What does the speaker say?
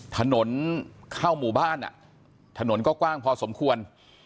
ถนนเข้าหมู่บ้านถนนก็กว้างพอสมควร